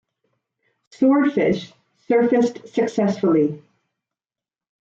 "Swordfish" surfaced successfully.